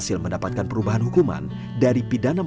sesuai dengan hak aturan